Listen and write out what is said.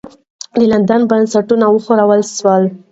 د لندن بنسټونه وښورول سول.